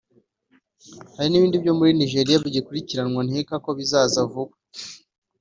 hari n’ibindi byo muri Nigeria bigikurikiranwa nkeka ko bizaza vuba